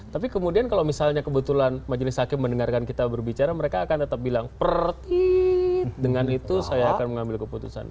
tapi kemudian kalau misalnya kebetulan majelis hakim mendengarkan kita berbicara mereka akan tetap bilang perth it dengan itu saya akan mengambil keputusan